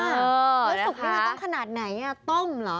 เออนะคะแล้วสุกมันต้องขนาดไหนต้มเหรอ